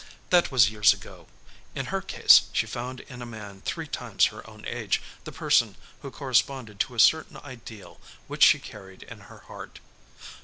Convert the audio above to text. That was years ago. In her case she found in a man three times her own age the person who corresponded to a certain ideal which she carried in her heart.